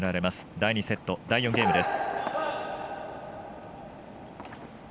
第２セット、第４ゲームです。